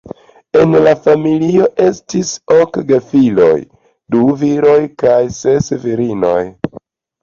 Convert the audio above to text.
En la familio estis ok gefiloj, du viroj kaj ses virinoj.